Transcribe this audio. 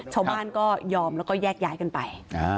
ชาวบ้านก็ยอมแล้วก็แยกย้ายกันไป